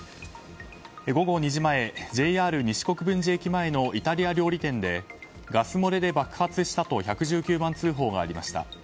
午後２時前、ＪＲ西国分寺駅前のイタリアン料理店でガス漏れで爆発したと１１９番通報がありました。